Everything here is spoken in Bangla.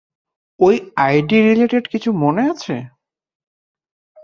ঐ আইডি রিলেটেড কিছু মনে আছে?